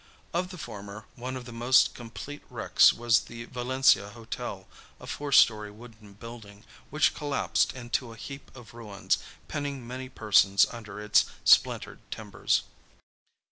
Of the former, one of the most complete wrecks was the Valencia Hotel, a four story wooden building, which collapsed into a heap of ruins, pinning many persons under its splintered timbers.